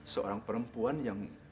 seorang perempuan yang